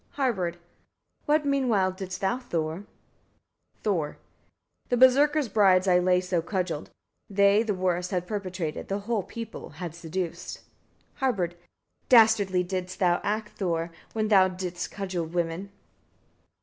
Harbard. 36. What meanwhile didst thou, Thor? Thor. 37. The Berserkers' brides I on Læsso cudgeled; they the worst had perpetrated, the whole people, had seduced. Harbard. 38. Dastardly didst thou act, Thor! when thou didst cudgel women.